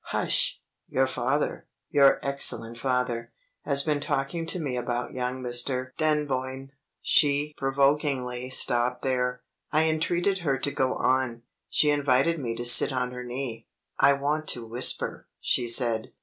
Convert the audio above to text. Hush! Your father, your excellent father, has been talking to me about young Mr. Dunboyne." She provokingly stopped there. I entreated her to go on. She invited me to sit on her knee. "I want to whisper," she said.